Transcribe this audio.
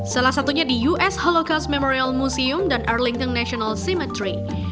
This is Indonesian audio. salah satunya di us holocaust memorial museum dan arlington national cemetery